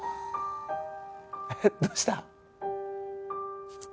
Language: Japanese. どうした？